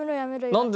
何で？